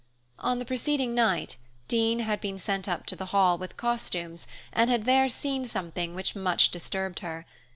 On the preceding night, Dean had been sent up to the Hall with costumes and had there seen something which much disturbed her.